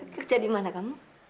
kerja di mana kamu